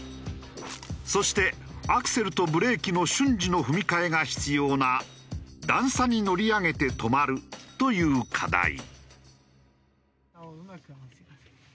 そしてアクセルとブレーキの瞬時の踏み替えが必要な段差に乗り上げて止まるという課題。